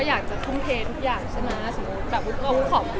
ที่คุ้มเห็นทุกอย่าง